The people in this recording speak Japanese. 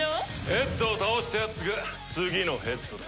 ヘッドを倒したやつが次のヘッドだ。